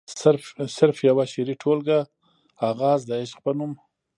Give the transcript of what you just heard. صرف يوه شعري ټولګه “اغاز َد عشق” پۀ نوم